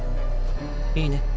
いいね？